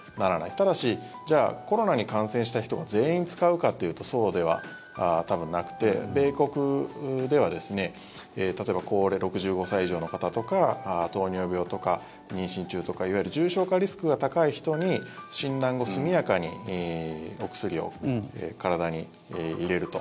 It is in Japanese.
ただしじゃあコロナに感染した人が全員使うかっていうとそうでは多分なくて米国では例えば６５歳以上の方とか糖尿病とか妊娠中とかいわゆる重症化リスクが高い人に診断後速やかにお薬を体に入れると。